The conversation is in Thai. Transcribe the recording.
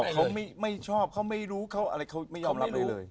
เขาไม่ชอบเขาไม่รู้เขาอะไรเขาไม่ยอมรับอะไรเลย